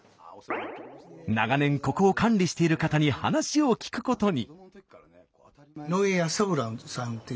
長年ここを管理している方に話を聞くことに。